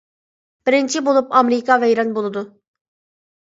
بىرىنچى بولۇپ ئامېرىكا ۋەيران بولىدۇ.